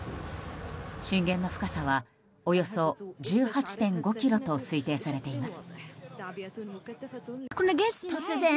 震源の深さはおよそ１８．５ｋｍと推定されています。